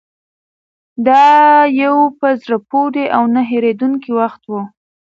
دا یو په زړه پورې او نه هېرېدونکی وخت و.